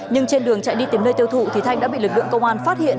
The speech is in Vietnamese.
nhưng trên đường chạy đi tìm nơi tiêu thụ thì thanh đã bị lực lượng công an phát hiện